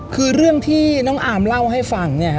คือเรื่องที่น้องอาร์มเล่าให้ฟังเนี่ยฮะ